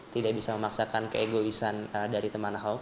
tidak bisa memaksakan keegoisan dari teman ahok